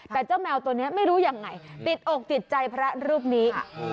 แต่เจ้าแมวตัวนี้ไม่รู้ยังไงติดอกติดใจพระรูปนี้